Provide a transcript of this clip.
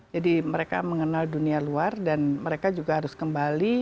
jadi mereka mengenal dunia luar dan mereka juga harus kembali